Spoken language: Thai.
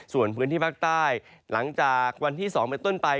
ส่วนพื้นที่ภาคใต้หลังจากวันที่๒เป็นต้นไป